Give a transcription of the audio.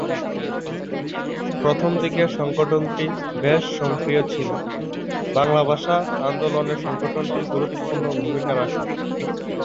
প্রথমদিকে সংগঠনটি বেশ সক্রিয় ছিল, বাংলা ভাষা আন্দোলনে সংগঠনটি গুরুত্বপূর্ণ ভূমিকা রাখে।